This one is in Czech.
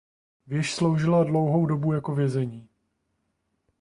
Věž sloužila dlouhou dobu jako vězení.